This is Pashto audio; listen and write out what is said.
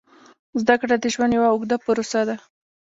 زده کړه د ژوند یوه اوږده پروسه ده.